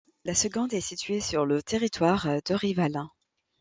La seconde est située sur le territoire d'Orival.